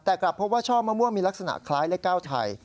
แต่กลับพบว่าช่อมะม่วงมีลักษณะคล้ายเลข๙ไทย